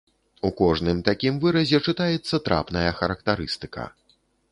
У кожным такім выразе чытаецца трапная характарыстыка.